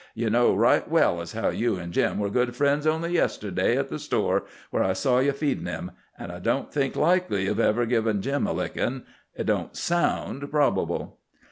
"Ye know right well as how you an' Jim were good friends only yesterday at the store, where I saw ye feedin' him. An' I don't think likely ye've ever given Jim a lickin'. It don't sound probable."